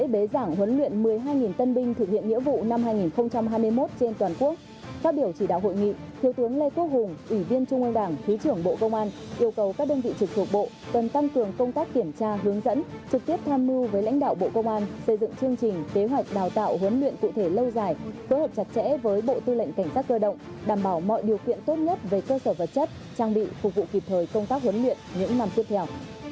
phát biểu chỉ đạo hội nghị thiếu tướng lê quốc hùng ủy viên trung an đảng thứ trưởng bộ công an yêu cầu các đơn vị trực thuộc bộ cần tăng cường công tác kiểm tra hướng dẫn trực tiếp tham mưu với lãnh đạo bộ công an xây dựng chương trình kế hoạch đào tạo huấn luyện cụ thể lâu dài cố hợp chặt chẽ với bộ tư lệnh cảnh sát cơ động đảm bảo mọi điều kiện tốt nhất về cơ sở vật chất trang bị phục vụ kịp thời công tác huấn luyện những năm tiếp theo